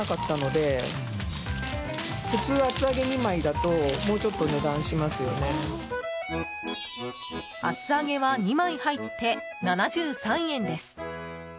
厚揚げは２枚入って７３円です。